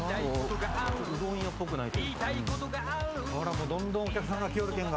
うどん屋っぽくないというか。